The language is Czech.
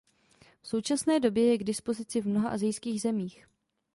V současné době je k dispozici v mnoha asijských zemích.